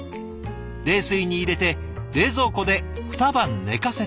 冷水に入れて冷蔵庫で２晩寝かせたもの。